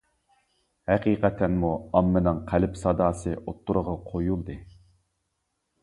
ھەقىقەتەنمۇ ئاممىنىڭ قەلب ساداسى ئوتتۇرىغا قويۇلدى.